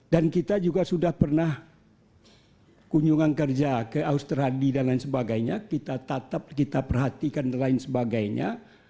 dan kita juga sudah pernah kunjungan kerja ke austradi dan lain sebagainya kita tatap kita perhatikan dan lain sebagainya